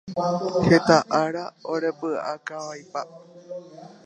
Heta ára orepyʼakavaipa.